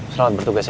selamat bertugas ya